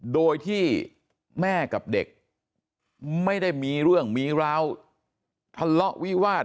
โดยที่แม่กับเด็กไม่ได้มีเรื่องมีราวทะเลาะวิวาส